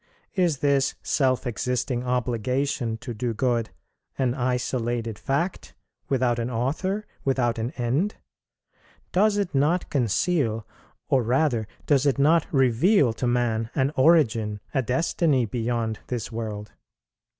is this self existing obligation to do good, an isolated fact, without an author, without an end? does it not conceal, or rather does it not reveal to man, an origin, a destiny, beyond this world?